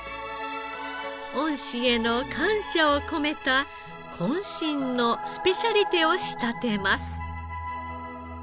恩師への感謝を込めた渾身のスペシャリテを仕立てます。